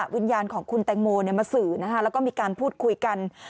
วิญญาณของคุณแตงโมมาสื่อแล้วก็มีการพูดคุยกัน